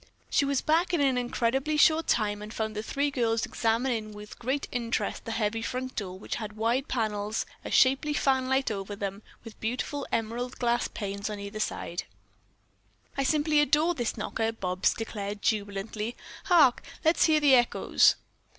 She was back in an incredibly short time and found the three girls examining with great interest the heavy front door, which had wide panels, a shapely fan light over them, with beautiful emerald glass panes on each side. "I simply adore this knocker," Bobs declared, jubilantly. "Hark, let's hear the echoes."